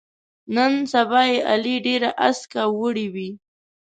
نن سبا یې علي ډېره اسکه وړوي.